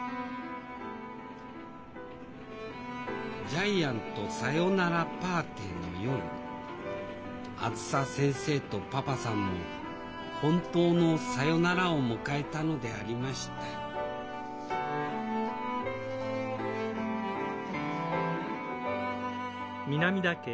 「ジャイアントさよならパーティー」の夜あづさ先生とパパさんも本当のさよならを迎えたのでありましたはあ終わったわね。